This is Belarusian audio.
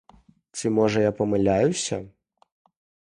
Ці можа я памыляюся?